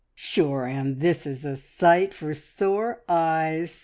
"Sure, and this is a sight for sore eyes!"